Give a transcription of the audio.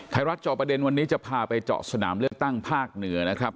จอประเด็นวันนี้จะพาไปเจาะสนามเลือกตั้งภาคเหนือนะครับ